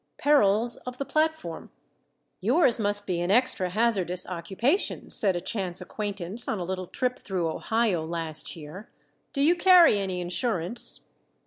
XII PERILS OF THE PLATFORM "Yours must be an extra hazardous occupation," said a chance acquaintance on a little trip through Ohio last year. "Do you carry any insurance?"